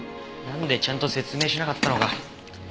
なんでちゃんと説明しなかったのか。